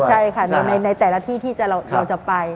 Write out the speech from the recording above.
ใช่ค่ะในแต่ละที่ที่เราจะไป